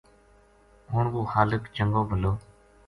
ہن وہ خالق چنگو بھَلو